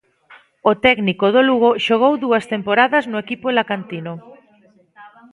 O técnico do Lugo xogou dúas temporadas no equipo alacantino.